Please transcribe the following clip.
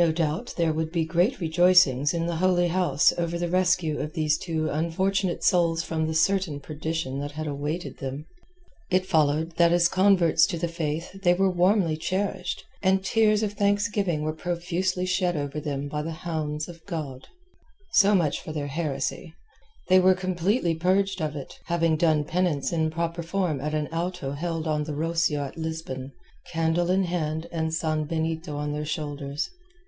No doubt there would be great rejoicings in the Holy House over the rescue of these two unfortunate souls from the certain perdition that had awaited them. It followed that as converts to the Faith they were warmly cherished, and tears of thanksgiving were profusely shed over them by the Hounds of God. So much for their heresy. They were completely purged of it, having done penance in proper form at an Auto held on the Rocio at Lisbon, candle in hand and sanbenito on their shoulders.